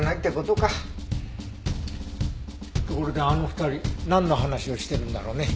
ところであの２人なんの話をしてるんだろうね。